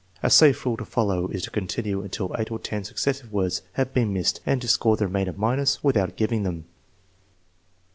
A safe rule to follow is to continue until eight or ten successive words have been missed and to score the remainder minus without giving them.